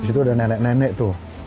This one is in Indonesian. disitu ada nenek nenek tuh